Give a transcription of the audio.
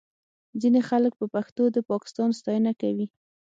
ځینې خلک په پښتو د پاکستان ستاینه کوي